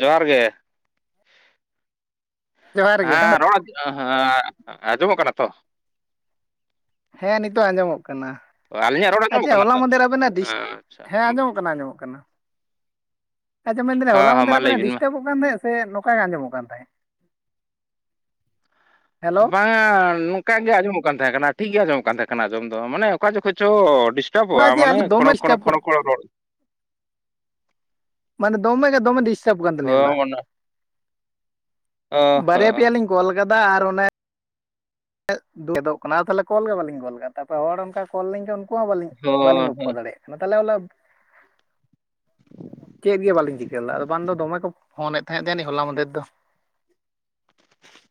ᱡᱚᱦᱟᱨ ᱜᱮ ᱡᱚᱦᱟᱨ ᱜᱮ ᱦᱮᱸ ᱨᱚᱬ ᱦᱮᱸ ᱟᱸᱡᱚᱢᱚᱜ ᱠᱟᱱᱟ ᱛᱚ? ᱦᱮᱸ ᱱᱤᱛᱚᱜ ᱟᱸᱡᱚᱢᱚᱜ ᱠᱟᱱᱟ ᱟᱹᱞᱤᱧᱟᱜ ᱨᱚᱲ ᱾ ᱟᱸᱡᱚᱢᱚᱜ ᱟᱪᱷᱟ ᱠᱟᱱᱟ ᱦᱚᱞᱟ ᱛᱚ ᱢᱟᱫᱷᱮᱨ ᱟᱵᱮᱱᱟᱜ ᱰᱤᱥ, ᱦᱮᱸ ᱟᱸᱡᱚᱢᱚᱜ ᱱᱚᱸᱠᱟᱱᱟᱜ ᱟᱸᱡᱚᱢᱚᱜ ᱠᱟᱱᱟ ᱾ ᱟᱪᱷᱟ ᱢᱮᱱ ᱫᱟᱞᱤᱱ ᱦᱚᱞᱟ ᱦᱮᱸ ᱢᱟ ᱢᱟᱫᱷᱮᱨ ᱟ. ᱞᱟᱹᱭ ᱵᱤᱱᱟᱜ ᱵᱤᱱ ᱢᱟ ᱰᱤᱥᱴᱟᱵᱚᱜ ᱚᱱᱮᱢᱮᱱᱮᱫ ᱥᱮ ᱱᱚᱝᱠᱟ ᱜᱮ ᱟᱸᱡᱚᱢᱚᱜ ᱠᱟᱱ ᱛᱟᱦᱮᱸᱫ ᱾ ᱦᱮᱞᱳ ᱵᱟᱝᱟ ᱱᱚᱝᱠᱟ ᱜᱮ ᱟᱸᱡᱚᱢᱚᱜ ᱠᱟᱱ ᱛᱟᱦᱮᱸ ᱠᱟᱱᱟ, ᱴᱷᱤᱠ ᱜᱮ ᱟᱸᱡᱚᱢᱚᱜ ᱠᱟᱱ ᱛᱟᱦᱮᱸ ᱠᱟᱱᱟ ᱟᱸᱡᱚᱢ ᱫᱚ, ᱢᱟᱱᱮ ᱚᱠᱟ ᱡᱚᱠᱷᱚᱡ ᱪᱚ ᱰᱤᱥᱴᱟ ᱦᱚᱞᱟ ᱚᱪᱚᱜᱳ-ᱟ ᱡᱮ ᱟᱹᱞᱤᱧ ᱢᱟᱱᱮ ᱫᱚᱢᱮ ᱠᱷᱚᱲᱚ ᱠᱷᱚᱲᱚ ᱰᱤᱥᱴᱟᱵ ᱠᱷᱚᱲᱚ ᱠᱷᱚᱲᱚ ᱨᱚᱲ ᱢᱟᱱᱮ ᱫᱚᱢᱮ ᱜᱮ ᱫᱚᱢᱮ ᱰᱤᱥᱴᱟᱵᱽ ᱠᱟᱱ ᱛᱟᱞᱤᱧᱟ ᱦᱚᱸ ᱦᱳᱞᱟ ᱾ ᱚᱱᱟ ᱦᱚᱸ ᱵᱟᱨᱭᱟ ᱯᱮᱭᱟ ᱞᱤᱧ ᱠᱚᱞ ᱟᱠᱟᱫᱟ, ᱟᱨ ᱚᱱᱮ ᱠᱷᱮᱫ ᱠᱷᱮᱫᱚᱜᱚᱜ ᱠᱟᱱᱟ, ᱟᱨ ᱛᱟᱦᱚᱞᱮ ᱠᱚᱞ ᱜᱮ ᱵᱟᱹᱞᱤᱧ ᱠᱚᱞ ᱠᱟᱫᱟ, ᱛᱟᱯᱳᱨ ᱦᱚᱲ ᱚᱱᱠᱟ ᱠᱚᱞ ᱞᱤᱧ ᱠᱷᱟᱱ ᱩᱱᱠᱩ ᱦᱚᱸ ᱟᱹᱞᱤᱧ ᱵᱟᱞᱤᱧ ᱦᱚᱸ ᱵᱟᱹᱞᱤᱧ ᱜᱚᱯᱷᱚ ᱦᱚᱸ ᱫᱟᱲᱮᱭᱟᱜᱼᱟ᱾ ᱦᱮ ᱛᱟᱦᱚᱞᱮ ᱦᱳᱞᱟ ᱪᱮᱫ ᱜᱮ ᱵᱟᱞᱤᱧ ᱪᱤᱠᱟᱹ ᱞᱮᱱᱟ, ᱟᱫᱚ ᱵᱟᱝ ᱫᱚ ᱫᱚᱢᱮ ᱠᱚ ᱯᱷᱳᱱᱮᱫ ᱛᱟᱦᱮᱸᱫ ᱦᱚᱞᱟ ᱢᱟᱫᱷᱮᱨ ᱫᱚ ᱾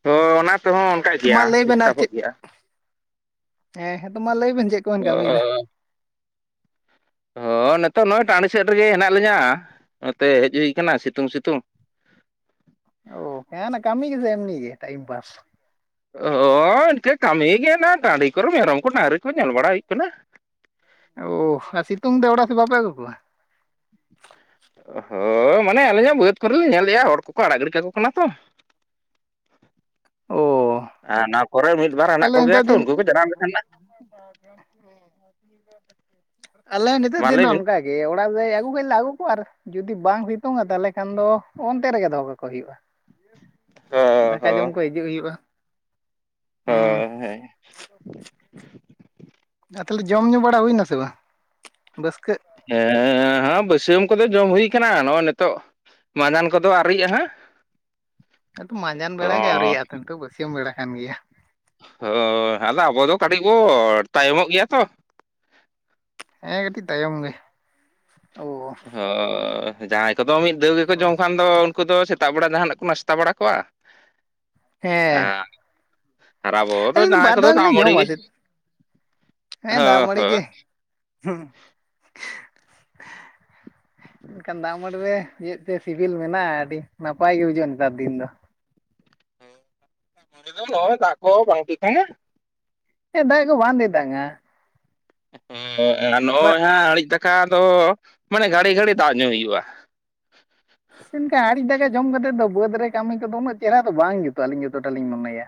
ᱦᱳᱭ ᱚᱱᱟ ᱛᱮᱦᱚᱸ ᱚᱱᱠᱟᱜ ᱛᱚ ᱢᱟ ᱜᱮᱭᱟ, ᱞᱟᱹᱭ ᱵᱮᱱ ᱟᱨ ᱰᱤᱥᱴᱟᱵᱚᱜ ᱪᱮᱫ ᱜᱮᱭᱟ᱾ ᱦᱮᱸ ᱦᱮᱸᱛᱳ ᱢᱟ ᱞᱟᱹᱭᱵᱮᱱ ᱪᱮᱫ? ᱠᱚᱵᱮᱱ ᱠᱟᱹᱢᱤᱭᱮᱫᱟ [unintelligible] ᱦᱳᱭ ᱱᱤᱛᱚᱜ ᱱᱚᱜᱼᱚᱭ ᱴᱟᱺᱰᱤ ᱥᱮᱫ ᱨᱮᱜᱮ ᱦᱮᱱᱟᱜ ᱞᱤᱧᱟ, ᱱᱚᱛᱮ ᱦᱮᱡ ᱦᱩᱭ ᱟᱠᱟᱱᱟ ᱥᱤᱛᱩᱝ ᱥᱤᱛᱩᱝ᱾ ᱚ ᱦᱮᱸ ᱠᱟᱹᱢᱤ ᱜᱮ ᱥᱮ ᱮᱢᱱᱤ ᱜᱮ ᱴᱟᱭᱢᱯᱟᱥ ᱦᱳᱭ ᱤᱱᱠᱟᱹ ᱠᱟᱹᱢᱤ ᱜᱮ ᱚᱱᱟ ᱴᱟᱺᱰᱤ ᱠᱚᱨᱮ ᱢᱮᱨᱚᱢ ᱠᱚ ᱰᱟᱹᱨᱤ ᱠᱚ ᱧᱮᱞ ᱵᱟᱲᱟ ᱦᱩᱭᱩᱜ ᱠᱟᱱᱟ᱾ ᱚᱦ ᱟᱨ ᱥᱤᱛᱩᱝ ᱫᱚ ᱚᱲᱟᱜ ᱥᱮᱫ ᱵᱟᱯᱮ ᱟᱹᱜᱩ ᱠᱚᱣᱟ? ᱦᱳᱭ ᱢᱟᱱᱮ ᱟᱹᱞᱤᱧ ᱦᱚᱸ ᱵᱟᱹᱫᱽ ᱠᱚᱨᱮᱞᱤᱧ ᱧᱮᱞᱮᱫᱼᱟ᱾ ᱦᱚᱲ ᱠᱚᱠᱚ ᱟᱲᱟᱜ ᱜᱤᱲᱤ ᱠᱟᱠᱚ ᱠᱟᱱᱟ ᱛᱚ᱾ ᱳ ᱟᱨ ᱱᱚᱣᱟ ᱠᱚᱨᱮ ᱢᱤᱫ ᱵᱟᱨ ᱦᱮᱱᱟᱜ ᱠᱚ ᱜᱮᱭᱟ ᱛᱚ, ᱩᱱᱠᱩ ᱠᱚ ᱡᱟᱱᱟᱢ ᱞᱮᱠᱷᱟᱱ ᱱᱟᱜ ᱟᱞᱮ ᱱᱤᱛᱚᱜ ᱢᱟ ᱫᱤᱱ ᱞᱟᱹᱭ ᱫᱚ ᱵᱤᱱ ᱚᱱᱠᱟ ᱜᱮ ᱭᱮ ᱚᱲᱟᱜ ᱞᱮ ᱟᱜᱩ ᱠᱷᱟᱱ ᱞᱮ ᱟᱜᱩ ᱠᱚ ᱟᱨ ᱡᱩᱫᱤ ᱵᱟᱝ ᱵᱤᱛᱩᱝᱼᱟ ᱛᱟᱦᱚᱞᱮ ᱠᱷᱟᱱ ᱫᱚ ᱚᱱᱛᱮ ᱨᱮᱜᱮ ᱫᱚᱦᱚ ᱠᱟᱠᱚ ᱦᱩᱭᱩᱜᱼᱟ᱾ ᱦᱳᱭ ᱫᱟᱠᱟ ᱡᱚᱢ ᱠᱚ ᱦᱤᱡᱩᱜ ᱦᱩᱭᱩᱜᱼᱟ᱾ ᱦᱩᱸ [inaudible] ᱟᱨ ᱛᱟᱦᱚᱞᱮ ᱡᱚᱢ ᱧᱩ ᱵᱟᱲᱟ ᱦᱩᱭᱱᱟ ᱥᱮ ᱵᱟᱝ, ᱵᱟᱹᱥᱠᱟᱹᱜ? ᱦᱮᱸᱻ ᱵᱟᱹᱥᱭᱟᱹᱢ ᱠᱚᱫᱚ ᱡᱚᱢ ᱦᱩᱭ ᱠᱟᱱᱟ, ᱱᱚᱜᱼᱚᱭ ᱱᱤᱛᱚᱜ, ᱢᱟᱸᱡᱟᱱ ᱠᱚᱫᱚ ᱟᱨᱶᱨᱤᱭᱟ ᱦᱟᱸᱜ᱾ ᱟᱫᱚ ᱢᱟᱸᱡᱟᱱ ᱵᱮᱲᱟ ᱜᱮ ᱦᱚᱸ ᱟᱹᱣᱨᱤᱭᱟᱜ-ᱟ ᱛᱚ ᱱᱤᱛᱚᱜ ᱵᱟᱹᱥᱭᱟᱹᱢ ᱵᱮᱲᱟ ᱠᱟᱱ ᱜᱮᱭᱟ᱾ ᱦᱳᱭ ᱟᱫᱚ ᱟᱵᱚ ᱫᱚ ᱠᱟᱹᱴᱤᱡ ᱵᱚ ᱛᱟᱭᱚᱢᱚᱜ ᱜᱮᱭᱟ ᱛᱚ ᱦᱮᱜᱮ ᱠᱟᱹᱴᱤᱡ ᱛᱟᱭᱚᱢ ᱜᱮ ᱚ ᱦᱳᱭ ᱡᱟᱦᱟᱸᱭ ᱠᱚᱫᱚ ᱢᱤᱫ ᱫᱟᱹᱣ ᱜᱮᱠᱚ ᱡᱚᱢ ᱠᱷᱟᱱ ᱫᱚ ᱩᱱᱠᱩ ᱫᱚ ᱥᱮᱛᱟᱜ ᱵᱮᱲᱟ ᱡᱟᱦᱟᱱᱟᱜ ᱠᱚ ᱱᱟᱥᱛᱟ ᱵᱟᱲᱟ ᱠᱚᱣᱟ ᱦᱮᱸ ᱟᱨ ᱟᱵᱚ ᱫᱚ ᱟᱹᱞᱤᱧ ᱡᱟᱦᱟᱸᱭ ᱵᱟᱨ ᱠᱚᱫᱚ ᱫᱷᱟᱣ ᱫᱟᱜᱽ ᱜᱮᱞᱤᱧ ᱢᱟᱹᱲᱤ ᱜᱮ, ᱡᱚᱢᱟ ᱪᱮᱫ ᱦᱳ ᱦᱳᱭ᱾ ᱦᱩᱸ [inaudible] ᱮᱱᱠᱷᱟᱱ ᱫᱟᱜ ᱢᱟᱹᱰᱤ ᱨᱮ ᱪᱮᱫ ᱛᱮ ᱥᱤᱵᱤᱞ ᱢᱮᱱᱟᱜᱼᱟ ᱟᱹᱰᱤ ᱱᱟᱯᱟᱭ ᱜᱮ ᱵᱩᱡᱩᱜᱼᱟ ᱱᱮᱛᱟᱨ ᱫᱤᱱ ᱫᱚ᱾ ᱡᱩᱫᱤᱢ ᱱᱚᱜᱚᱭᱚ ᱫᱟᱜ ᱠᱚ ᱵᱟᱝ ᱴᱷᱤᱠ-ᱟ᱾ ᱦᱮᱸ ᱫᱟᱜ ᱠᱚ ᱵᱟᱸᱝ ᱛᱮᱛᱟᱝ-ᱟ᱾ [inaudible] ᱵᱟᱭ ᱱᱚᱜᱼᱚᱭ ᱦᱟᱸᱜ ᱟᱬᱤᱡ ᱫᱟᱠᱟ ᱫᱚ ᱢᱟᱱᱮ ᱜᱷᱟᱹᱲᱤ ᱜᱷᱟᱹᱲᱤ ᱫᱟᱜᱽ ᱧᱩᱭ ᱦᱩᱭᱩᱜᱼᱟ᱾ [unintelligible] ᱟᱲᱤᱡ ᱫᱟᱠᱟ ᱡᱚᱢ ᱠᱟᱛᱮᱫ ᱫᱚ ᱵᱟᱹᱫᱽ ᱨᱮ ᱠᱟᱹᱢᱤ ᱠᱚᱫᱚ ᱩᱱᱟᱹᱜ ᱪᱮᱦᱨᱟ ᱫᱚ ᱵᱟᱝ ᱡᱩᱛᱩᱜ-ᱟ ᱟᱹᱞᱤᱧ ᱡᱚᱛᱚᱴᱟ ᱞᱤᱧ ᱢᱚᱱᱮᱭᱟ᱾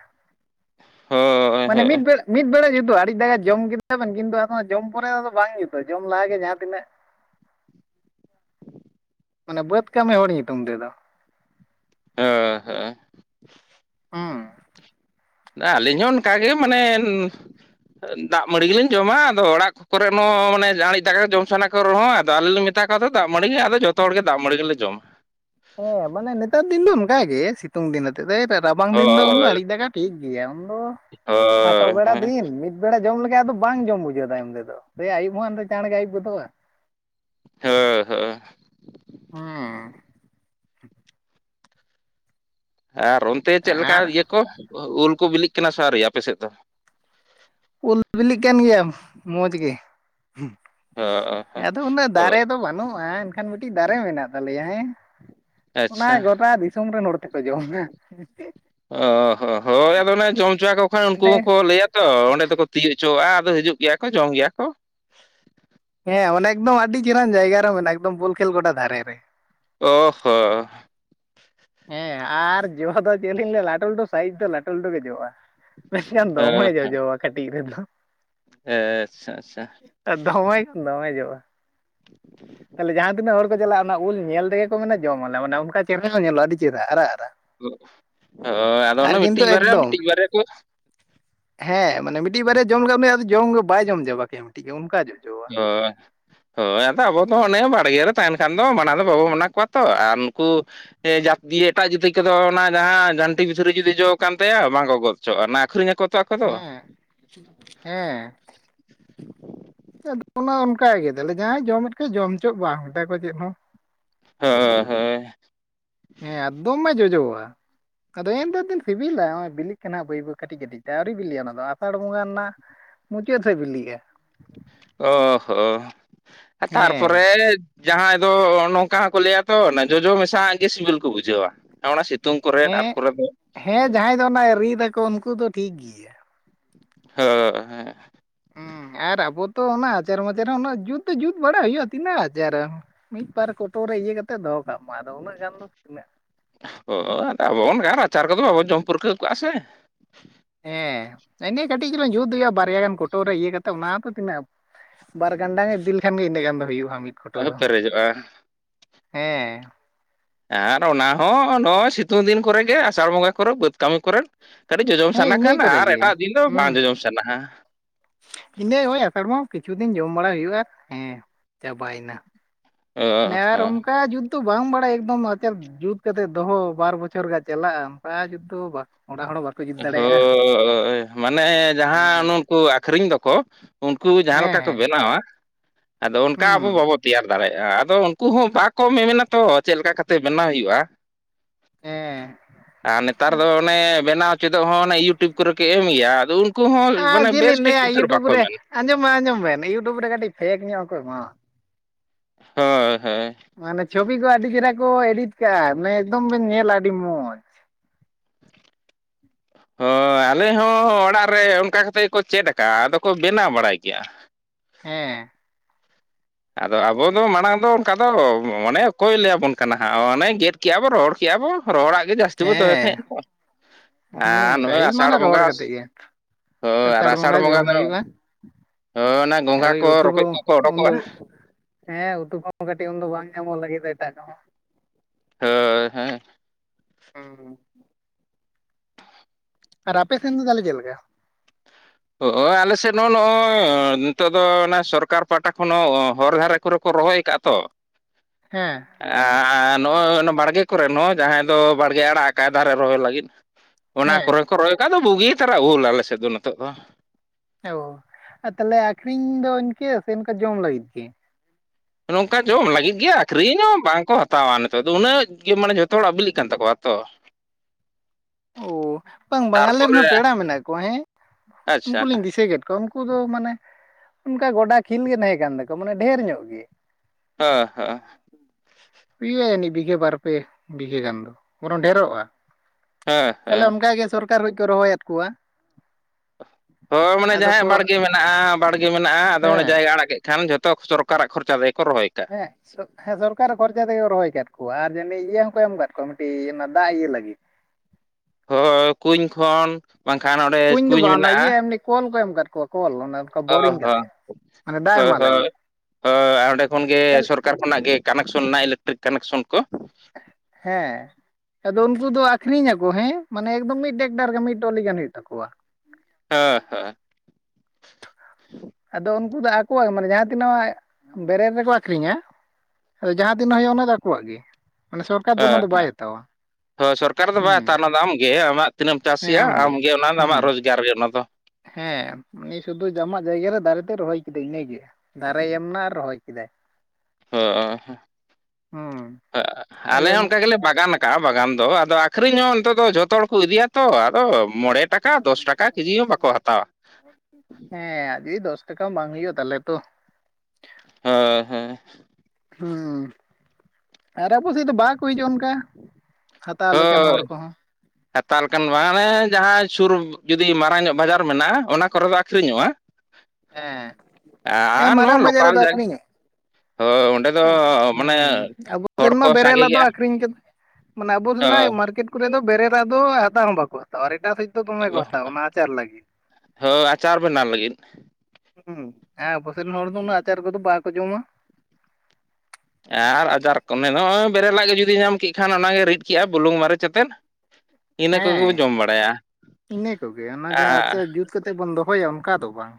[unintelligible] ᱢᱟᱱᱮ ᱢᱤᱫ ᱵᱮᱲᱟ ᱢᱤᱫ ᱵᱮᱲᱟ ᱡᱮᱦᱩᱛᱩ ᱟᱲᱤᱡ ᱫᱟᱠᱟ ᱡᱚᱢ ᱠᱮᱫᱟ ᱵᱤᱱ ᱠᱤᱱᱛᱩ ᱟᱨ ᱱᱚᱣᱟ ᱡᱚᱢ ᱯᱚᱨᱮ ᱫᱚ ᱟᱫᱚ ᱵᱟᱝ ᱡᱩᱛᱟ, ᱡᱚᱢ ᱞᱟᱦᱟᱜᱮ ᱡᱟᱦᱟᱸ ᱛᱤᱱᱟᱹᱜ ᱢᱟᱱᱮ ᱵᱟᱹᱫᱽ ᱠᱟᱹᱢᱤ ᱦᱚᱲ ᱧᱩᱛᱩᱢ ᱛᱮᱫᱚ [unintelligible] ᱦᱩᱸ ᱟᱹᱞᱤᱧ ᱦᱚᱸ ᱚᱱᱠᱟ ᱜᱮ ᱢᱟᱱᱮ ᱫᱟᱜ ᱢᱟᱹᱲᱤ ᱜᱮᱞᱤᱧ ᱡᱚᱢᱟ ᱟᱫᱚ ᱚᱲᱟᱜ ᱠᱚᱨᱮ ᱦᱚᱸ ᱢᱟᱱᱮ ᱡᱟᱸᱦᱟᱩᱲᱤᱡ ᱫᱟᱠᱟ ᱡᱚᱢ ᱥᱟᱱᱟ ᱠᱚ ᱨᱮᱦᱚᱸ ᱟᱫᱚ ᱟᱞᱮ ᱞᱮ ᱢᱮᱛᱟ ᱠᱚᱣᱟ ᱫᱟᱜ ᱢᱟᱲᱤ ᱜᱮ ᱟᱫᱚ ᱡᱚᱛᱚ ᱦᱚᱲ ᱜᱮ ᱫᱟᱜ ᱢᱟᱹᱲᱤ ᱜᱮᱞᱮ ᱡᱚᱢᱟ ᱦᱮᱸ ᱢᱟᱱᱮ ᱱᱮᱛᱟᱨ ᱫᱤᱱ ᱫᱚ ᱚᱱᱠᱟ ᱜᱮ ᱥᱤᱛᱩᱝ ᱫᱤᱱ ᱦᱚᱛᱮᱫ ᱛᱮ ᱨᱟᱵᱟᱝ ᱫᱤᱱ ᱫᱚ ᱩᱱ ᱫᱚ ᱦᱳᱭ ᱟᱬᱤᱡ ᱫᱟᱠᱟ ᱴᱷᱤᱠ ᱜᱮᱭᱟ ᱩᱱᱫᱚ ᱠᱷᱟᱴᱚ ᱦᱳᱭ ᱵᱮᱲᱟ ᱦᱮᱸ ᱫᱤᱱ ᱢᱤᱫ ᱵᱮᱲᱟ ᱡᱚᱢ ᱞᱮᱠᱷᱟᱱ ᱟᱫᱚ ᱵᱟᱝ ᱡᱚᱢ ᱵᱩᱷᱟᱹᱣ ᱛᱟᱭᱚᱢ ᱛᱮᱫᱚ ᱥᱮ ᱟᱹᱭᱩᱵ ᱦᱚᱸ ᱚᱱᱛᱮ ᱪᱟᱬ ᱜᱮ ᱟᱹᱭᱩᱵ ᱜᱚᱫᱚᱜᱼᱟ ᱦᱳᱭ ᱦᱳᱭ ᱦᱮᱸ ᱟᱨ ᱚᱱᱛᱮ ᱪᱮᱫ ᱞᱮᱠᱟ ᱟᱨ ᱤᱭᱟᱹ ᱠᱚ ᱩᱞ ᱠᱚ ᱵᱤᱞᱤᱜ ᱠᱟᱱᱟ ᱥᱮ ᱟᱣᱨᱤ ᱟᱯᱮ ᱥᱮᱫ ᱫᱚ ᱩᱞ ᱵᱤᱞᱤᱜ ᱠᱟᱱ ᱜᱮᱭᱟ ᱢᱚᱸᱡᱽ ᱜᱮ ᱦᱳᱭ ᱟᱫᱚ ᱩᱱᱟᱹᱜ ᱦᱳᱭ ᱫᱟᱨᱮ ᱫᱚ ᱵᱟᱹᱱᱩᱜᱼᱟ ᱮᱱᱠᱷᱟᱱ ᱢᱤᱫ ᱢᱤᱫᱴᱤᱡ ᱫᱟᱨᱮ ᱢᱮᱱᱟᱜ ᱛᱟᱞᱮᱭᱟ ᱦᱮᱸ ᱚᱱᱟ ᱟᱪᱪᱷᱟ ᱜᱚᱴᱟ ᱫᱤᱥᱚᱢ ᱨᱮᱱ ᱦᱚᱲ ᱛᱮᱠᱚ ᱡᱚᱢᱟ ᱚ ᱦᱚᱸ ᱦᱳᱭ ᱟᱫᱚ ᱚᱱᱮ ᱡᱚᱢ ᱦᱚᱪᱚ ᱣᱟᱠᱚ ᱠᱷᱟᱱ ᱩᱱᱠᱩ ᱦᱚᱸ ᱢᱟᱱᱮ ᱠᱚ ᱞᱟᱹᱭ ᱭᱟᱛᱚ ᱚᱸᱰᱮ ᱫᱚᱠᱚ ᱛᱤᱭᱳᱜ ᱦᱚᱪᱚᱣᱟᱜᱼᱟ ᱟᱫᱚ ᱦᱤᱡᱩᱜ ᱜᱮᱭᱟ ᱠᱚ ᱡᱚᱢ ᱜᱮᱭᱟ ᱠᱚ ᱦᱮᱸ ᱚᱱᱮ ᱮᱠᱫᱚᱢ ᱟᱹᱰᱤ ᱪᱮᱦᱨᱟᱱ ᱡᱟᱭᱜᱟ ᱨᱮ ᱢᱮᱱᱟᱜᱼᱟ ᱮᱠᱫᱚᱢ ᱵᱚᱞ ᱠᱷᱮᱞ ᱜᱚᱰᱟ ᱫᱷᱟᱨᱮ ᱨᱮ ᱚᱦᱟ ᱦᱮᱸ ᱟᱨ ᱡᱚ ᱫᱚ ᱪᱮᱫ ᱞᱤᱧ ᱞᱟᱹᱭᱟ ᱞᱟᱹᱴᱩ ᱞᱟᱹᱴᱩ ᱥᱟᱭᱤᱡ ᱫᱚ ᱞᱟᱹᱴᱩ ᱞᱟᱹᱴᱩ ᱜᱮ ᱡᱚᱜᱼᱟ ᱢᱮᱱᱠᱷᱟᱱ ᱫᱚᱢᱮ ᱡᱚᱡᱚᱣᱟ ᱠᱟᱹᱴᱤᱡ ᱨᱮ ᱫᱚ ᱟᱪᱪᱷᱟ ᱟᱪᱪᱷᱟ ᱫᱚᱢᱮ ᱫᱚᱢᱮ ᱡᱚᱜᱼᱟ᱾ ᱛᱟᱦᱚᱞᱮ ᱡᱟᱦᱟᱸ ᱛᱤᱱᱟᱹᱜ ᱦᱚᱲ ᱪᱟᱞᱟᱜ᱾ ᱚᱱᱟ ᱩᱞ ᱧᱮᱞ ᱛᱮᱜᱮ ᱠᱚ ᱢᱮᱱᱟ ᱡᱚᱢ ᱟᱞᱮ᱾ ᱢᱟᱱᱮ ᱚᱱᱠᱟ ᱪᱮᱦᱨᱟ ᱧᱮᱞᱚᱜᱼᱟ, ᱟᱹᱰᱤ ᱪᱮᱦᱨᱟ ᱟᱨᱟᱜ ᱟᱨᱟᱜ ᱦᱚᱭ ᱟᱫᱚ ᱟᱨ ᱚᱱᱟ ᱠᱤᱱᱛᱩ ᱢᱤᱫᱴᱤᱡ ᱵᱟᱨᱭᱟ ᱮᱠᱫᱚᱢ ᱢᱤᱫᱴᱤᱡ ᱵᱟᱨᱭᱟ ᱠᱚ, ᱦᱮᱸ ᱢᱟᱱᱮ ᱢᱤᱫᱴᱤᱡ ᱵᱟᱨᱭᱟ ᱡᱚᱢ ᱠᱟᱜ ᱢᱮ᱾ ᱟᱫᱚ ᱡᱚᱢ ᱜᱮ ᱵᱟᱭ ᱡᱚᱢ ᱪᱟᱵᱟ ᱠᱮᱭᱟ᱾ ᱢᱤᱫᱴᱤᱡ ᱜᱟᱱ ᱦᱚᱸ ᱚᱱᱠᱟ ᱡᱚᱡᱚ ᱦᱮᱸ ᱦᱳᱭ ᱟᱫᱚ ᱟᱵᱚ ᱫᱚ ᱚᱱᱮ ᱵᱟᱲ ᱜᱮ ᱨᱮ ᱛᱟᱦᱮᱱ ᱠᱷᱟᱱ ᱫᱚ ᱢᱟᱱᱟ ᱫᱚ ᱵᱟᱵᱚ ᱢᱟᱱᱟ ᱠᱚᱣᱟ ᱛᱚ ᱟᱨ ᱱᱩᱠᱩ ᱮᱴᱟᱜ ᱡᱟᱹᱛᱤ ᱠᱚᱫᱚ ᱚᱱᱟ ᱡᱟᱦᱟᱸ ᱡᱷᱟᱱᱴᱤ ᱵᱷᱤᱛᱨᱤ ᱨᱮ ᱡᱩᱫᱤ ᱡᱚ ᱦᱟᱠᱟᱱ ᱛᱟᱭᱟ ᱵᱟᱝ ᱠᱚ ᱜᱚᱫ ᱚᱪᱚ ᱣᱟᱜᱼᱟ᱾ ᱚᱱᱟ ᱟᱹᱠᱷᱨᱤᱧ ᱟᱠᱚ ᱠᱚᱫᱚ ᱦᱮᱸ ᱟᱫᱚ ᱚᱱᱠᱟ ᱜᱮ ᱛᱟᱦᱚᱞᱮ ᱡᱟᱦᱟᱸᱭ ᱡᱚᱢᱮᱫ ᱠᱷᱟᱱ ᱡᱚᱢ ᱦᱚᱪᱚ ᱣᱟᱱ ᱠᱚ ᱵᱟᱭ ᱢᱮᱭᱟ ᱠᱚᱣᱟ ᱪᱮᱫ ᱦᱚᱸ? ᱦᱳᱭ ᱦᱳᱭ ᱦᱮᱸ ᱫᱚᱢᱮ ᱡᱚᱡᱚᱣᱟ᱾ ᱟᱫᱚ ᱮᱱᱛᱮ ᱫᱤᱱ ᱥᱤᱵᱤᱞᱟ ᱱᱚᱜᱼᱚᱭ ᱵᱤᱞᱤᱜ ᱠᱟᱱᱟ ᱦᱟᱜ ᱵᱟᱹᱭᱼᱵᱟᱹᱭ ᱠᱟᱹᱴᱤᱡ ᱠᱟᱹᱴᱤᱡ ᱛᱮ‌ ᱟᱹᱣᱨᱤ ᱵᱤᱞᱤᱜᱼᱟ᱾ ᱚᱱᱟ ᱫᱚ ᱟᱥᱟᱲ ᱵᱚᱸᱜᱟ ᱨᱮᱱᱟᱜ ᱢᱩᱪᱟᱹᱫ ᱥᱮᱫ ᱵᱤᱞᱤᱜᱼᱟ᱾ ᱚ ᱦᱚᱸ ᱛᱟᱨᱯᱚᱨᱮ ᱦᱮᱸ ᱡᱟᱦᱟᱸᱭ ᱫᱚ ᱱᱚᱝᱠᱟ ᱦᱚᱸᱠᱚ ᱞᱟᱹᱭᱟ ᱛᱚ᱾ ᱡᱚᱡᱚ ᱢᱮᱥᱟ ᱦᱟᱜ ᱜᱮ ᱥᱤᱵᱤᱞ ᱠᱚ ᱵᱩᱡᱷᱟᱹᱣᱟ᱾ ᱚᱱᱟ ᱥᱤᱛᱩᱝ ᱠᱚᱨᱮ ᱟᱨ ᱦᱮᱸ ᱠᱚᱨᱮ ᱫᱚ ᱦᱮᱸ ᱡᱟᱦᱟᱸᱭ ᱫᱚ ᱚᱱᱮ ᱨᱤᱫ ᱟᱠᱚ ᱩᱱᱠᱩ ᱫᱚ ᱴᱷᱤᱠ ᱜᱮᱭᱟ᱾ ᱦᱳᱭ ᱦᱮᱸ ᱟᱨ ᱟᱵᱚ ᱛᱚ᱾ ᱚᱱᱟ ᱟᱪᱟᱨ ᱢᱟᱪᱟᱨ ᱦᱚᱸ ᱡᱩᱛ ᱫᱚ ᱡᱩᱛ ᱵᱟᱲᱟᱭ ᱦᱩᱭᱩᱜᱼᱟ, ᱛᱤᱱᱟᱹᱜ ᱟᱪᱟᱨ ᱢᱤᱫ ᱵᱟᱨ ᱠᱚᱴᱚᱨ ᱨᱮ ᱤᱭᱟᱹ ᱠᱟᱛᱮ ᱫᱚᱦᱚ ᱠᱟᱜ ᱢᱟ᱾ ᱟᱫᱚ ᱩᱱᱟᱹᱜ ᱜᱟᱱ ᱫᱚ ᱛᱤᱱᱟᱹᱜ ᱚ ᱟᱵᱚ ᱚᱱᱠᱟ ᱟᱪᱟᱨ ᱠᱚᱫᱚ ᱵᱟᱵᱚᱱ ᱡᱚᱢ ᱯᱟᱹᱨᱠᱟᱹᱣ ᱠᱚᱜᱼᱟ ᱥᱮ᱾ ᱦᱮᱸ ᱱᱮᱱᱤᱭᱟᱹ ᱠᱟᱹᱴᱤᱡ ᱜᱮᱞᱟᱧ ᱡᱩᱛ ᱦᱩᱭᱩᱜᱼᱟ᱾ ᱵᱟᱨᱭᱟ ᱜᱟᱱ ᱠᱚᱴᱚᱨ ᱨᱮ ᱤᱭᱟᱹ ᱠᱟᱛᱮᱫ ᱚᱱᱟ ᱫᱚ ᱛᱤᱱᱟᱹᱜ ᱵᱟᱨ ᱜᱟᱱᱰᱟ ᱤᱫᱤ ᱞᱮᱠᱷᱟᱱ ᱜᱮ ᱤᱱᱟᱹᱜ ᱜᱟᱱ ᱫᱚ ᱦᱩᱭᱩᱜᱼᱟ᱾ ᱢᱤᱫ ᱠᱚᱴᱳᱨ ᱫᱚ ᱯᱮᱨᱮᱡᱚᱜᱼᱟ᱾ ᱦᱮᱸ ᱟᱨ ᱚᱱᱟ ᱦᱚᱸ ᱱᱚᱼᱚᱭ ᱥᱤᱛᱩᱝ ᱫᱤᱱ ᱠᱚᱨᱮ ᱜᱮ ᱟᱥᱟᱲ ᱵᱚᱸᱜᱟ ᱠᱚᱨᱮ ᱵᱟᱹᱫᱽ ᱠᱟᱹᱢᱤ ᱠᱚᱨᱮ ᱠᱟᱹᱴᱤᱡ ᱡᱚᱡᱚᱢ ᱦᱮᱸ ᱥᱟᱱᱟ ᱤᱱᱟᱹ ᱠᱷᱟᱱ ᱠᱚᱨᱮ ᱟᱨ ᱜᱮ ᱮᱴᱟᱜ ᱫᱤᱱ ᱫᱚ ᱦᱩᱸ ᱵᱟᱝ ᱡᱚᱡᱚᱢ ᱥᱟᱱᱟ᱾ ᱤᱱᱟᱹ ᱦᱳᱭ ᱟᱥᱟᱲ ᱵᱚᱸᱜᱟ ᱠᱤᱪᱷᱩ ᱫᱤᱱ ᱡᱚᱢ ᱵᱟᱲᱟ ᱦᱩᱭᱩᱜᱼᱟ ᱦᱮᱸ ᱪᱟᱵᱟᱭᱮᱱᱟ᱾ ᱢᱟᱱᱮ ᱟᱨ ᱚᱱᱠᱟ ᱡᱩᱛ ᱫᱚ ᱵᱟᱝ ᱵᱟᱲᱟᱭᱟ ᱮᱠᱫᱚᱢ ᱟᱪᱟᱨ ᱡᱩᱛ ᱠᱟᱛᱮᱫ ᱫᱚᱦᱚ ᱵᱟᱨ ᱵᱚᱪᱷᱚᱨ ᱜᱟᱱ ᱪᱟᱞᱟᱜᱼᱟ᱾ ᱚᱱᱠᱟ ᱡᱩᱛ ᱫᱚ ᱵᱟ ᱚᱲᱟᱜ ᱦᱚᱲ ᱵᱟ ᱦᱳᱭ ᱢᱟᱱᱮ ᱡᱟᱸᱦᱟᱸ ᱦᱮᱸ ᱱᱩᱸᱠᱩ ᱟᱹᱠᱷᱨᱤᱧ ᱫᱚᱠᱚ᱾ ᱩᱱᱠᱩ ᱡᱟᱸᱦᱟᱸ ᱞᱮᱠᱟ ᱠᱚ ᱦᱮᱸ ᱵᱮᱱᱟᱣᱟ᱾ ᱟᱫᱚ ᱚᱱᱠᱟ ᱦᱩᱸ ᱟᱵᱚ ᱵᱟᱵᱚ ᱛᱮᱭᱟᱨ ᱫᱟᱲᱮᱭᱟᱜᱼᱟ᱾ ᱟᱫᱚ ᱩᱱᱠᱩ ᱦᱚᱸ ᱵᱟᱠᱚ ᱢᱮᱢᱮᱱᱟ ᱛᱚ᱾ ᱪᱮᱫ ᱞᱮᱠᱟ ᱠᱟᱛᱮᱫ ᱵᱮᱱᱟᱣ ᱦᱩᱭᱩᱜᱼᱟ? ᱦᱮᱸ ᱟᱨ ᱱᱮᱛᱟᱨ ᱫᱚ ᱚᱱᱮ ᱵᱮᱱᱟᱣ ᱪᱮᱫᱚᱜ ᱦᱚᱸ᱾ ᱚᱱᱟ ᱤᱭᱩᱴᱩᱵᱽ ᱠᱚᱨᱮ ᱠᱚ ᱮᱢ ᱜᱮᱭᱟ, ᱟᱫᱚ ᱩᱱᱠᱩ ᱦᱚᱸ ᱟᱨ ᱢᱟᱱᱮ ᱪᱮᱫ ᱞᱤᱧ ᱵᱮᱥᱴᱷᱤᱠ ᱞᱟᱹᱭᱟ ᱩᱛᱷᱟᱹᱨ ᱤᱭᱩᱴᱩᱵᱽ ᱵᱟᱠᱚ ᱨᱮ ᱢᱮᱱᱟ᱾ ᱟᱸᱡᱚᱢ ᱢᱮ ᱟᱸᱡᱚᱢ ᱵᱮᱱ ᱤᱭᱩᱴᱩᱵᱽ ᱨᱮ ᱠᱟᱴᱤᱡ ᱯᱷᱮᱠ ᱧᱚᱜ ᱠᱚ ᱮᱢᱟ᱾ ᱦᱚᱭ ᱦᱚᱭ ᱢᱟᱱᱮ ᱪᱷᱚᱵᱤ ᱠᱚ ᱟᱰᱤ ᱪᱮᱨᱦᱟ ᱠᱚ ᱮᱰᱤᱴ ᱠᱟᱜᱼᱟ, ᱢᱮ ᱮᱠᱫᱚᱢ ᱵᱮᱱ ᱧᱮᱞᱟ ᱟᱹᱰᱤ ᱢᱚᱸᱡᱽ᱾ ᱦᱳᱭ ᱟᱞᱮ ᱦᱚᱸ ᱚᱲᱟᱜ ᱨᱮ ᱚᱱᱠᱟ ᱠᱟᱛᱮᱫ ᱜᱮᱠᱚ ᱪᱮᱫ ᱟᱠᱟᱜᱼᱟ᱾ ᱟᱫᱚ ᱠᱚ ᱵᱮᱱᱟᱣ ᱵᱟᱲᱟᱭ ᱜᱮᱭᱟ᱾ ᱦᱮᱸ ᱟᱫᱚ ᱟᱵᱚ ᱫᱚ ᱢᱟᱲᱟᱝ ᱫᱚ ᱚᱱᱠᱟ ᱫᱚ ᱢᱟᱱᱮ ᱚᱠᱚᱭ ᱞᱟᱹᱭᱟᱵᱚᱱ ᱠᱟᱱᱟ ᱦᱟᱸᱜ᱾ ᱚᱱᱮ ᱜᱮᱫ ᱠᱮᱜᱼᱟ ᱵᱚᱱ ᱨᱚᱦᱚᱲ ᱠᱮᱜᱼᱟ ᱵᱚ᱾ ᱨᱚᱦᱚᱲᱟᱜ ᱜᱮ ᱡᱟᱹᱥᱛᱤ ᱵᱩ ᱫᱚᱦᱚᱭ ᱦᱮᱸ ᱛᱟᱦᱮᱸᱜ ᱛᱚ᱾ ᱟᱨ ᱦᱩᱸ ᱱᱚᱜᱼᱚᱭ ᱯᱟᱹᱦᱤᱞ ᱟᱥᱟᱲ ᱢᱟᱱᱮ ᱨᱚᱲ ᱵᱚᱸᱜᱟ᱾ ᱠᱟᱛᱮᱜ ᱜᱮ ᱦᱳᱭ ᱟᱨ ᱟᱥᱟᱲ ᱵᱚᱸᱜᱟ ᱫᱚ ᱦᱳ ᱚᱱᱟ ᱜᱚᱸᱝᱜᱷᱟ ᱳᱭ ᱠᱚ, ᱩᱛᱩ ᱨᱚᱠᱚᱡ ᱠᱚᱠᱚ ᱚᱰᱚᱠᱚᱜᱼᱟ᱾ ᱩᱱᱫᱚ ᱦᱮᱸ ᱩᱛᱩ ᱠᱚᱸᱦᱚᱸ ᱠᱟᱹᱴᱤᱡ ᱩᱱᱫᱚ ᱵᱟᱝ ᱧᱟᱢᱚᱜ ᱞᱟᱹᱜᱤᱫ ᱮᱴᱟᱜ ᱮᱴᱟᱜ ᱦᱚᱸ᱾ ᱦᱳᱭ ᱦᱮᱸ ᱦᱚᱸ ᱟᱨ ᱟᱯᱮ ᱥᱮᱱ ᱫᱚ ᱛᱟᱞᱮ ᱪᱮᱫ ᱞᱮᱠᱟ? ᱟᱞᱮ ᱥᱮᱫ ᱦᱚᱸ ᱱᱚᱜᱼᱚᱭ ᱱᱤᱛᱚᱜ ᱫᱚ ᱚᱱᱟ ᱥᱚᱨᱠᱟᱨ ᱯᱟᱦᱴᱟ ᱠᱷᱚᱱ ᱦᱚᱸ ᱦᱚᱨ ᱫᱷᱟᱨᱮ᱾ [inaudible] ᱨᱚᱦᱚᱭ ᱠᱟᱜᱼᱟ ᱛᱚ ᱦᱮᱸ ᱱᱚᱜᱼᱚᱭ ᱵᱟᱲᱜᱮ ᱠᱚᱨᱮ ᱦᱚᱸ ᱡᱟᱸᱦᱟᱸᱭ ᱫᱚ ᱵᱟᱲᱜᱮ ᱟᱲᱟᱜ ᱠᱟᱜᱼᱟᱭ ᱫᱟᱨᱮ ᱨᱚᱦᱚᱭ ᱞᱟᱜᱤᱫ᱾ ᱚᱱᱟ ᱦᱮᱸ ᱠᱚᱨᱮ ᱠᱚ ᱨᱚᱦᱚᱭ ᱠᱟᱜᱼᱟ ᱫᱚ ᱵᱩᱜᱤ ᱛᱚᱨᱟ ᱩᱞ ᱟᱞᱮ ᱥᱮᱫ ᱫᱚ ᱱᱤᱛᱚᱜ ᱫᱚ᱾ ᱚ ᱛᱟᱦᱞᱮ ᱟᱠᱷᱨᱤᱧ ᱫᱚ ᱤᱱᱠᱟᱹ ᱥᱮ ᱤᱱᱠᱟᱹ ᱡᱚᱢ ᱞᱟᱹᱜᱤᱫ ᱜᱮ ᱱᱚᱝᱠᱟ ᱡᱚᱢ ᱞᱟᱜᱤᱫ ᱜᱮᱭᱟ ᱟᱠᱷᱨᱤᱧ ᱫᱚ ᱵᱟᱝᱠᱚ ᱦᱟᱛᱟᱣᱟ ᱱᱤᱛᱚᱜ ᱫᱚ ᱩᱱᱟᱹᱜ ᱜᱮ, ᱢᱟᱱᱮ ᱡᱷᱚᱛᱚ ᱦᱚᱲᱟᱜ ᱵᱤᱞᱤᱜ ᱠᱟᱱ ᱛᱟᱠᱚᱣᱟ ᱛᱚ [unintelligible] ᱳᱻ ᱵᱟᱝ ᱵᱟᱝ ᱟᱞᱮ ᱨᱮᱱᱢᱟ ᱛᱟᱨᱯᱚᱨᱮ ᱯᱮᱲᱟ ᱢᱮᱱᱟᱜ ᱠᱚᱣᱟ ᱦᱮᱸ ᱩᱱᱠᱩ ᱟᱪᱪᱷᱟ ᱞᱤᱧ ᱫᱤᱥᱟᱹ ᱠᱮᱫ᱾ ᱩᱱᱠᱩ ᱫᱚ ᱢᱟᱱᱮ ᱚᱱᱠᱟ ᱜᱚᱰᱟ ᱠᱷᱤᱞ ᱜᱮ ᱛᱟᱦᱮᱸ ᱠᱟᱱ ᱛᱟᱠᱚ ᱢᱟᱱᱮ ᱰᱷᱮᱨ ᱧᱚᱜ ᱜᱮ ᱟ ᱦᱟᱸ ᱤᱭᱟᱹ ᱟᱹᱱᱤᱡ ᱵᱤᱜᱷᱟᱹ ᱵᱟᱨ ᱯᱮ ᱵᱤᱜᱷᱟᱹ ᱜᱟᱱ ᱫᱚ ᱵᱚᱨᱚᱝ ᱰᱷᱮᱨᱚᱜᱼᱟ᱾ ᱦᱳᱭ ᱛᱟᱞᱦᱮ ᱦᱳᱭ ᱚᱱᱠᱟᱜᱤ ᱥᱚᱨᱠᱟᱨ ᱠᱷᱚᱪ ᱠᱚ ᱨᱚᱦᱚᱭᱟᱫ ᱠᱚᱣᱟ᱾ ᱦᱚᱭ ᱢᱟᱱᱮ ᱟᱫᱚ ᱡᱟᱸᱦᱟᱸᱭᱟᱜ ᱠᱚ ᱵᱟᱲᱜᱮ ᱢᱮᱱᱟᱜᱼᱟ ᱵᱟᱲᱜᱮ ᱢᱮᱱᱟᱜᱼᱟ ᱟᱫᱚ ᱚᱸᱰᱮ ᱦᱮᱸ ᱡᱟᱭᱜᱟ ᱟᱲᱟᱜ ᱠᱮᱜ ᱠᱷᱟᱱ ᱡᱷᱚᱛᱚ ᱥᱚᱨᱠᱟᱨᱟᱜ ᱠᱷᱚᱨᱪᱟ ᱛᱮᱠᱚ ᱨᱚᱦᱚᱭ ᱠᱟᱜ᱾ ᱦᱮᱸ ᱥᱚᱨᱠᱟᱨᱟᱜ ᱠᱷᱚᱨᱪᱟ ᱛᱮᱜᱮ ᱠᱚ ᱨᱚᱦᱚᱭ ᱠᱟᱫ ᱠᱚᱣᱟ ᱟᱨ ᱡᱟᱱᱤᱡ ᱤᱭᱟᱹ ᱦᱚᱸᱠᱚ ᱮᱢ ᱠᱟᱫ ᱠᱚᱣᱟ ᱢᱤᱫᱴᱤᱡ ᱚᱱᱟ ᱫᱟᱜ ᱤᱭᱟᱹ ᱞᱟᱜᱤᱫ ᱦᱳ ᱠᱩᱧ ᱠᱷᱚᱱ ᱵᱟᱝᱠᱷᱟᱱ ᱚᱸᱰᱮ ᱫᱚ ᱠᱩᱧ ᱵᱟᱝ ᱚᱱᱟ ᱢᱮᱱᱟᱜᱼᱟ᱾ ᱤᱭᱟᱹ ᱮᱢᱱᱤ ᱠᱚᱞ ᱠᱚ ᱮᱢ ᱠᱟᱫ ᱠᱚᱣᱟ ᱠᱚᱞ ᱚᱱᱟ᱾ ᱦᱚᱭ ᱦᱚᱭ ᱞᱟᱹᱜᱤᱫ ᱦᱚᱭ ᱚᱸᱰᱮ ᱠᱷᱚᱱ ᱜᱮ ᱛᱟᱦᱞᱮ᱾ ᱥᱚᱨ ᱠᱟᱨ ᱠᱷᱚᱱᱟᱜ ᱜᱮ ᱠᱟᱱᱮᱠᱥᱚᱱ ᱱᱟᱭ ᱤᱞᱮᱠᱴᱨᱤᱠ ᱠᱟᱱᱮᱠᱥᱚᱱ ᱠᱚ᱾ ᱦᱮᱸ ᱟᱫᱚ ᱩᱱᱠᱩ ᱫᱚ ᱟᱠᱷᱨᱤᱧ ᱟᱠᱚ ᱦᱮᱸ ᱢᱟᱱᱮ ᱮᱠᱫᱚᱢ ᱢᱤᱫ ᱴᱮᱠᱴᱟᱨ ᱜᱟᱱ ᱢᱤᱫ ᱴᱚᱞᱤ ᱜᱟᱱ ᱦᱩᱭᱩᱜ ᱛᱟᱠᱚᱣᱟ᱾ [unintelligible] ᱟᱫᱚ ᱩᱱᱠᱩ ᱫᱚ ᱟᱠᱚᱣᱟᱜ ᱢᱟᱱᱮ ᱡᱟᱸᱦᱟᱸ ᱛᱤᱱᱟᱹᱜ ᱵᱮᱨᱮᱞ ᱨᱮᱠᱚ ᱟᱠᱷᱨᱤᱧᱟ᱾ ᱟᱫᱚ ᱡᱟᱸᱦᱟᱸ ᱛᱤᱱᱟᱹᱜ ᱦᱩᱭᱩᱜᱼᱟ ᱚᱱᱟ ᱫᱚ ᱟᱠᱩᱣᱟᱜ ᱜᱮ ᱢᱟᱱᱮ ᱥᱚᱨᱠᱟᱨ ᱫᱚ ᱚᱱᱟ ᱦᱳᱭ ᱫᱚ ᱵᱟᱭ ᱦᱟᱛᱟᱣᱟ ᱦᱳᱭ ᱥᱚᱨᱠᱟᱨ ᱫᱚ ᱵᱟᱭ ᱦᱩᱸ ᱦᱟᱛᱟ ᱚᱱᱟ ᱫᱚ ᱟᱢᱜᱮ ᱟᱢᱟᱜ ᱛᱤᱱᱟᱹᱜ ᱮᱢ ᱦᱮᱸ ᱪᱟᱥᱤᱭᱟ ᱟᱢᱜᱮ ᱚᱱᱟ ᱫᱚ ᱟᱢᱟᱜ ᱦᱩᱸ ᱨᱚᱡᱽᱜᱟᱨ ᱜᱮ ᱚᱱᱟ ᱫᱚ᱾ ᱦᱮᱸ ᱩᱱᱤ ᱥᱩᱫᱷᱩ ᱡᱟᱢᱟᱜ ᱡᱟᱭᱜᱟᱨᱮ ᱫᱟᱨᱮ ᱛᱮᱫ ᱨᱚᱦᱚᱭ ᱠᱤᱫᱟᱹᱧ ᱤᱱᱟᱹᱜᱮ ᱫᱟᱨᱮᱭ ᱮᱢ ᱱᱟ ᱟᱨ ᱨᱚᱦᱚᱭ ᱠᱮᱫᱟᱭ [inaudible] ᱟᱞᱮ ᱛᱟᱦᱞᱮ ᱦᱚᱸ ᱚᱱᱠᱟ ᱩᱱᱠᱩ ᱜᱮᱞᱮ ᱵᱟᱜᱟᱱ ᱠᱟᱜᱼᱟ ᱵᱟᱜᱟᱱ ᱫᱚ ᱟᱫᱚ ᱟᱠᱷᱨᱤᱧ ᱦᱚᱸ ᱱᱤᱛᱚᱜ ᱫᱚ ᱡᱷᱚᱛᱚ ᱦᱚᱲ ᱠᱩ ᱤᱫᱤᱭᱟ ᱛᱚ ᱟᱫᱚ ᱢᱚᱬᱮ᱾ ᱴᱟᱠᱟ ᱫᱚᱥ ᱴᱟᱠᱟ ᱠᱮᱡᱤ ᱦᱚᱸ ᱵᱟᱠᱚ ᱦᱟᱛᱟᱣᱟ᱾ ᱦᱮᱸ ᱫᱚᱥ ᱴᱟᱠᱟ ᱦᱚᱸ ᱵᱟᱝ ᱦᱩᱭᱩᱜᱼᱟ ᱛᱟᱦᱚᱞᱮ ᱛᱚ [unintelligible] ᱦᱩᱸ ᱟᱨ ᱟᱵᱚ ᱥᱮᱫ ᱫᱚ ᱵᱟᱠᱚ ᱦᱤᱡᱩᱜᱼᱟ ᱚᱱᱠᱟ, ᱦᱟᱛᱟᱣᱟ ᱞᱮᱠᱟᱱ ᱦᱳᱭ ᱦᱚᱲ ᱠᱚᱦᱚᱸ [unintelligible] ᱦᱟᱛᱟᱣ ᱞᱮᱠᱟᱱ ᱵᱟᱝ ᱟᱱᱮ ᱡᱟᱦᱟᱸ ᱥᱩᱨ ᱡᱩᱫᱤ ᱢᱟᱨᱟᱝ ᱧᱚᱜ ᱵᱟᱡᱟᱨ ᱢᱮᱱᱟᱜᱼᱟ ᱚᱱᱟ ᱠᱚᱨᱮ ᱫᱚ ᱟᱹᱠᱷᱚᱨᱤᱧᱚᱜᱼᱟ᱾ ᱦᱮᱸ ᱦᱮᱸ ᱟᱨ ᱱᱚᱣᱟ ᱢᱟᱨᱟᱝ ᱵᱟᱡᱟᱨ ᱞᱳᱠᱟᱞ ᱨᱮᱫᱚ ᱡᱟᱭᱜᱟ ᱟᱠᱷᱨᱤᱧᱚᱜ ᱦᱳᱭ ᱚᱸᱰᱮ ᱫᱚ ᱢᱟᱱᱮ ᱦᱩᱸ ᱟᱵᱚ ᱦᱚᱲ ᱥᱮᱱ ᱢᱟ ᱠᱚ ᱥᱟᱸᱜᱮ ᱵᱮᱨᱮᱞᱟ ᱫᱚ ᱜᱮᱭᱟ ᱟᱹᱠᱷᱚᱨᱤᱧ ᱠᱮᱫᱟ ᱢᱟᱱᱮ ᱟᱵᱚᱱᱟᱜ ᱦᱳᱭ ᱢᱟᱨᱠᱮᱴ ᱠᱚᱨᱮ ᱫᱚ ᱵᱮᱨᱮᱞᱟᱜ ᱫᱚ ᱦᱟᱛᱟᱣ ᱦᱚᱸ ᱵᱟᱠᱚ ᱦᱟᱛᱟᱣᱟ ᱟᱨ ᱮᱴᱟᱜ ᱥᱮᱫ᱾ ᱫᱚᱢᱮ ᱠᱚ ᱦᱟᱛᱟᱣᱼᱟ ᱚᱱᱟ ᱟᱪᱟᱨ ᱞᱟᱹᱜᱤᱫ ᱦᱳᱭ ᱟᱪᱟᱨ ᱵᱮᱱᱟᱣ ᱞᱟᱹᱜᱤᱫ ᱦᱩ ᱦᱮᱸ ᱟᱵᱚᱥᱮᱫ ᱨᱮᱱ ᱦᱚᱲ ᱫᱚ ᱩᱱᱟᱹᱜ ᱟᱪᱟᱨ ᱠᱚᱫᱚ ᱵᱟᱠᱚ ᱡᱚᱢᱟ᱾ ᱟᱨ ᱟᱡᱟᱨ ᱠᱚᱱᱮ ᱱᱚᱜᱼᱚᱭ ᱵᱮᱨᱮᱞᱟᱜ ᱜᱮ ᱡᱩᱫᱤ ᱧᱟᱢ ᱠᱮ ᱠᱷᱟᱱ ᱚᱱᱟᱜᱮ ᱨᱤᱫ ᱠᱮᱫᱮᱜᱼᱟ ᱵᱩᱞᱩᱝ ᱢᱟᱨᱮᱪ ᱟᱛᱮᱫ᱾ ᱤᱱᱟᱹ ᱠᱚᱜᱮ ᱦᱮᱸ ᱵᱚᱱ ᱡᱚᱢ ᱵᱟᱲᱟᱭᱟ ᱤᱱᱟᱹ ᱠᱚᱜᱮ ᱚᱱᱟ ᱡᱟᱦᱟᱸ ᱟᱨ ᱡᱩᱛ ᱠᱟᱛᱮᱫ ᱵᱚᱱ ᱫᱚᱦᱚᱭᱟ ᱚᱱᱠᱟ ᱫᱚ ᱵᱟᱝ᱾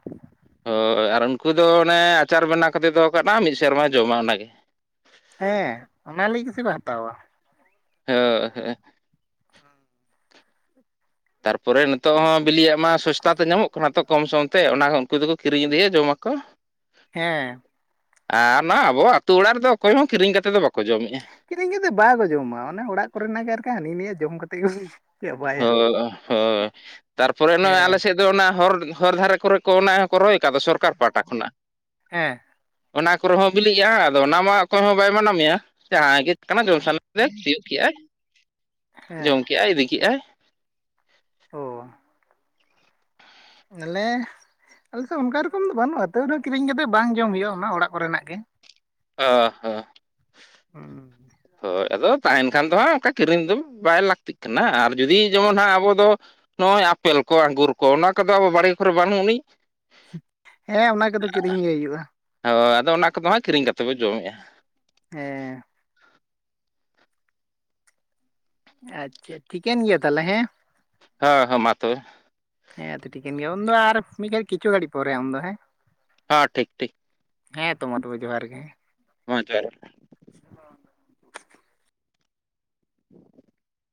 ᱦᱳᱭ ᱟᱨ ᱩᱱᱠᱩ ᱫᱚ ᱚᱱᱮ ᱟᱪᱟᱨ ᱵᱮᱱᱟᱣ ᱠᱟᱛᱮᱫ ᱫᱚᱦ ᱠᱟᱜᱼᱟ ᱢᱤᱫ ᱥᱮᱨᱢᱟᱭ ᱡᱚᱢᱟ ᱚᱱᱟᱜᱮ ᱦᱮᱸ ᱚᱱᱟ ᱞᱟᱹᱜᱤᱫ ᱥᱮᱠᱚ ᱦᱟᱛᱟᱣᱟ ᱦᱳᱭ ᱦᱳᱭ ᱛᱟᱨᱯᱚᱨᱮ ᱱᱤᱛᱚᱜ ᱦᱚᱸ᱾ ᱵᱤᱞᱤᱭᱟᱜ ᱢᱟ ᱥᱚᱥᱛᱟ ᱛᱮ ᱧᱟᱢᱚᱜ ᱠᱟᱱᱟ ᱛᱚ ᱠᱚᱢ ᱥᱚᱢ ᱛᱮ ᱚᱱᱟ ᱩᱱᱠᱩ ᱫᱚᱠᱚ ᱠᱤᱨᱤᱧ ᱤᱫᱤᱭᱟ ᱡᱚᱢᱟᱠ᱾ ᱦᱮᱸ ᱟᱨ ᱱᱚᱣᱟ ᱟᱵᱚ ᱟᱛᱩ ᱚᱲᱟᱜ ᱨᱮᱫᱚ ᱚᱠᱚᱭ ᱦᱚᱸ ᱠᱤᱨᱤᱧ ᱠᱟᱛᱮᱫ ᱫᱚ ᱵᱟᱠᱚ ᱡᱚᱢᱮᱜᱼᱟ ᱠᱤᱨᱤᱧ ᱠᱟᱛᱮ ᱵᱟᱠᱚ ᱡᱚᱢᱟ ᱚᱱᱮ ᱚᱲᱟᱜ ᱠᱚᱨᱮᱱᱟᱜ ᱜᱮ ᱟᱨᱠᱤ ᱦᱟᱹᱱᱤᱭᱟᱹᱟᱜ ᱡᱚᱢ ᱠᱟᱛᱮᱫ ᱜᱮ ᱦᱳᱭ ᱦᱳᱭ ᱛᱟᱨᱯᱚᱨᱮ ᱱᱚᱜᱼᱚᱭ ᱦᱮᱸ ᱟᱞᱮᱥᱮᱫ ᱫᱚ ᱚᱱᱟ ᱦᱚᱨ ᱦᱚᱨ ᱫᱷᱟᱨᱮ ᱠᱚᱨᱮ ᱠᱚ ᱚᱱᱟ ᱦᱚᱸᱠᱚ ᱨᱚᱦᱚᱭ ᱠᱟᱫ ᱫᱚ ᱥᱚᱨᱠᱟᱨ ᱯᱟᱦᱟᱴᱟ ᱠᱷᱚᱱᱟᱜ ᱦᱮᱸ ᱚᱱᱟ ᱠᱚᱨᱮ ᱦᱚᱸ ᱵᱤᱞᱤᱜ ᱜᱮᱭᱟ ᱟᱫᱚ ᱚᱱᱟ ᱢᱟ ᱚᱠᱚᱭ ᱦᱚᱸ ᱵᱟᱭ ᱢᱟᱱᱟᱢᱮᱭᱟ ᱡᱟᱦᱟᱸ ᱜᱮ [unintelligible] ᱛᱤᱭᱳᱜ ᱠᱮᱟᱭ ᱡᱚᱢ ᱦᱮᱸ ᱠᱮᱫᱟᱭ ᱤᱫᱤ ᱠᱮᱫᱟᱭ ᱚ ᱟᱞᱮ ᱟᱞᱮᱥᱮᱫ ᱚᱱᱠᱟ ᱨᱚᱠᱚᱢ ᱫᱚ ᱵᱟᱹᱱᱩᱜᱼᱟ ᱛᱟᱹᱣᱱᱟ ᱠᱤᱨᱤᱧ ᱠᱟᱛᱮ ᱵᱟᱝ ᱡᱚᱢ ᱦᱩᱭᱩᱜᱼᱟ ᱚᱱᱟ ᱚᱲᱟᱜ ᱠᱚᱨᱮᱱᱟᱜ ᱜᱮ ᱚ ᱦᱚᱸ ᱦᱩᱸ ᱦᱳᱭ ᱟᱫᱚ ᱛᱟᱦᱮᱱ ᱠᱷᱟᱱ ᱫᱚ ᱦᱟᱸᱜ ᱚᱱᱠᱟ ᱠᱤᱨᱤᱧ ᱫᱚ ᱵᱟᱭ ᱞᱟᱹᱠᱛᱤᱜ ᱠᱟᱱᱟ ᱟᱨ ᱡᱩᱫᱤ ᱡᱮᱢᱚᱱ ᱦᱟᱸᱜ ᱟᱵᱚ ᱫᱚ ᱱᱚᱜᱼᱚᱭ ᱟᱯᱮᱞ ᱠᱚ ᱟᱝᱜᱩᱨ ᱠᱚ ᱚᱱᱟ ᱠᱚᱫᱚ ᱟᱵᱚ ᱵᱟᱲᱮ ᱠᱚᱨᱮ ᱵᱟᱹᱱᱩᱜ ᱩᱱᱤᱡ ᱦᱮᱸ ᱚᱱᱟ ᱠᱚᱫᱚ ᱠᱤᱨᱤᱧ ᱜᱮ ᱦᱩᱭᱩᱜᱼᱟ ᱦᱳᱭ ᱟᱫᱚ ᱚᱱᱟ ᱠᱚᱫᱚ ᱦᱟᱸᱜ ᱠᱤᱨᱤᱧ ᱠᱟᱛᱮᱫ ᱵᱚ ᱡᱚᱢᱮᱫᱼᱟ ᱦᱮᱸ ᱟᱪᱪᱷᱟ ᱴᱷᱤᱠᱟᱹᱱ ᱜᱮᱭᱟ ᱛᱟᱦᱚᱞᱮ ᱦᱮᱸ ᱦᱚᱭ ᱦᱚᱸ ᱢᱟ ᱛᱚᱵᱮ ᱦᱮᱸ ᱛᱚ ᱴᱷᱤᱠᱟᱹᱱ ᱜᱮᱭᱟ ᱩᱱᱫᱚ ᱟᱨ ᱦᱚᱸ ᱢᱤᱫ ᱜᱷᱟᱹᱲᱤ ᱠᱤᱪᱩ ᱜᱟᱹᱲᱤ ᱯᱚᱨᱮ ᱟᱢᱫᱚ ᱦᱮᱸ ᱦᱚ ᱴᱷᱤᱠ ᱴᱷᱤᱠ ᱦᱮᱸ ᱛᱚ ᱢᱟ ᱛᱚᱵᱮ ᱡᱚᱦᱟᱨ ᱜᱮ ᱦᱚᱸ ᱡᱚᱦᱟᱨ ᱜᱮ ᱜᱚᱝᱠᱮ [unintelligible] [inaudible]